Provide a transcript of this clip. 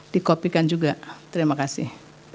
dikopikan juga terima kasih